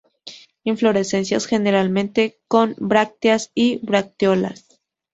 Inflorescencias generalmente con brácteas y bracteolas.